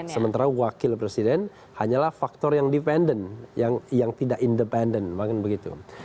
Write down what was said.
sementara wakil presiden hanyalah faktor yang dependent yang tidak independent